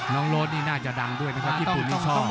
น้องโรชนี่น่าจะดังด้วยนะครับ